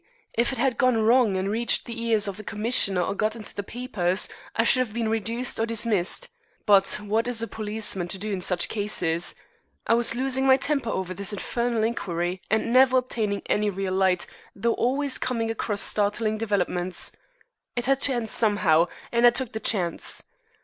If it had gone wrong and reached the ears of the Commissioner or got into the papers, I should have been reduced or dismissed. But what is a policeman to do in such cases? I was losing my temper over this infernal inquiry and never obtaining any real light, though always coming across startling developments. It had to end somehow, and I took the chance.